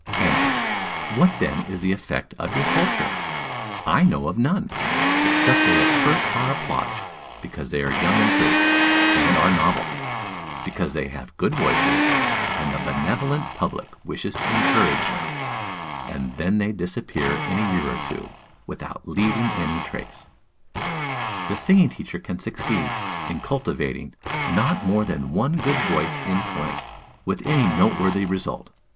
Answer. What, then, is the effect of your culture? I know of none, except that they at first are applauded, because they are young and pretty, and are novelties; because they have good voices, and the benevolent public wishes to encourage them; and then they disappear in a year or two without leaving any trace. "The singing teacher can succeed in cultivating not more than one good voice in twenty, with any noteworthy result.